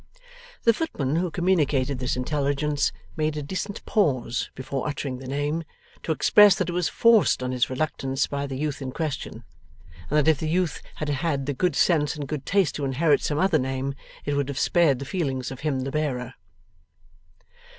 The footman who communicated this intelligence made a decent pause before uttering the name, to express that it was forced on his reluctance by the youth in question, and that if the youth had had the good sense and good taste to inherit some other name it would have spared the feelings of him the bearer.